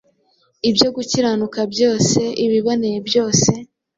ibyo gukiranuka byose, ibiboneye byose,